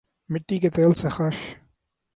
مٹی کے تیل سے خش